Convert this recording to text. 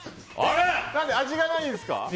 味がないんですか？